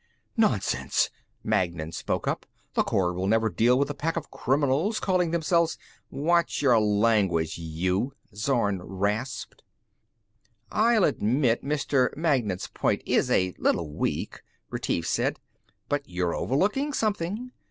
"Nonsense," Magnan spoke up. "The Corps will never deal with a pack of criminals calling themselves " "Watch your language, you!" Zorn rasped. "I'll admit Mr. Magnan's point is a little weak," Retief said. "But you're overlooking something.